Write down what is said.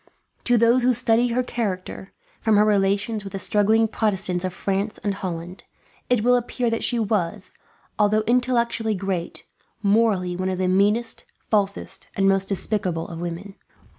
To those who study her character from her relations with the struggling Protestants of Holland and France, it will appear that she was, although intellectually great, morally one of the meanest, falsest, and most despicable of women.